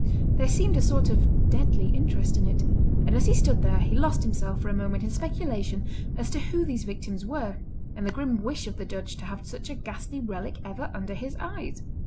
There seemed a sort of deadly interest in it, and as he stood there he lost himself for a moment in speculation as to who these victims were, and the grim wish of the Judge to have such a ghastly relic ever under his eyes.